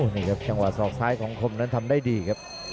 นี่ครับจังหวะสอกซ้ายของคมนั้นทำได้ดีครับ